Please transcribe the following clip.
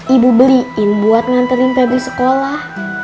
ibu beliin buat nganterin pabrik sekolah